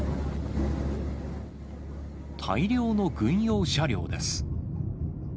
大量の軍用車両です。